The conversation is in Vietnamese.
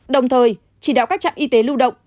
đồng thời chỉ đạo các trạm y tế lưu động